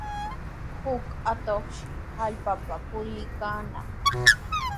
Huk atuqshi hallqapa puriykaanaq.